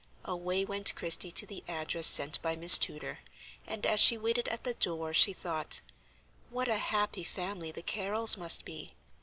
Away went Christie to the address sent by Miss Tudor, and as she waited at the door she thought: "What a happy family the Carrols must be!"